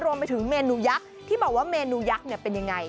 รวมไปถึงเมนูยักษ์ที่บอกว่าเมนูยักษ์เนี่ยเป็นยังไง